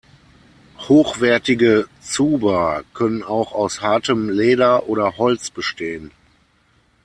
Hochwertige Tsuba können auch aus hartem Leder oder Holz bestehen.